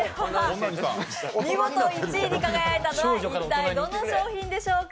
見事１位に輝いたのは一体どの商品でしょうか。